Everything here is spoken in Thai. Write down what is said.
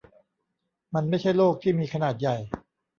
มันไม่ใช่โลกที่มีขนาดใหญ่.